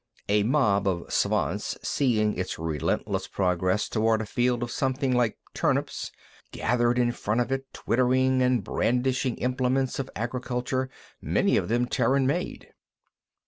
A mob of Svants, seeing its relentless progress toward a field of something like turnips, gathered in front of it, twittering and brandishing implements of agriculture, many of them Terran made.